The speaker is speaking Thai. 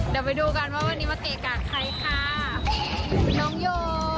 เดี๋ยวไปดูกันว่าวันนี้มาเกะกะใครค่ะน้องโย